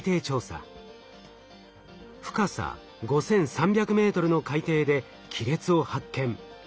深さ５，３００ｍの海底で亀裂を発見。